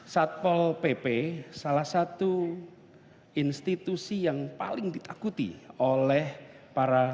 satpol pp salah satu institusi yang paling ditakuti oleh para pedagang kakil pemerintah